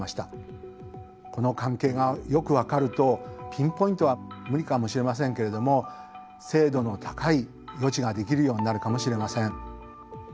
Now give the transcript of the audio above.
この関係がよく分かるとピンポイントは無理かもしれませんけれども精度の高い予知ができるようになるかもしれません。